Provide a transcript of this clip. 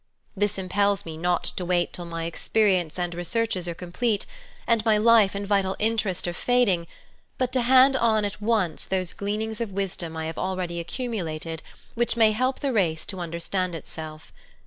This impels me not to wait till my experience and researches are com plete, and my life and vital interest are fading, but to hand on at once those gleanings of wisdom I have already accumulated which may help the race to under stand itself.